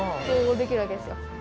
こうできるわけですよ。